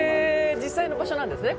実際の場所なんですね